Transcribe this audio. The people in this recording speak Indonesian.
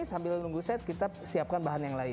sambil nunggu set kita siapkan bahan yang lain